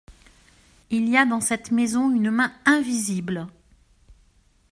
Il y a dans cette maison une main invisible !…